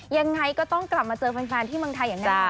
ยังไงก็ต้องกลับมาเจอแฟนที่เมืองไทยอย่างแน่นอน